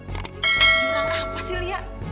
jurang apa sih lia